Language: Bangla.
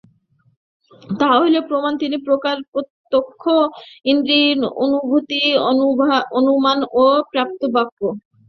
তাহা হইলে প্রমাণ তিন প্রকার প্রত্যক্ষ ইন্দ্রিয়ানুভূতি, অনুমান ও আপ্তবাক্য।